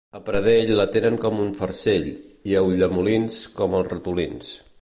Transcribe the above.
A Pradell la tenen com un farcell i a Ulldemolins com els ratolins.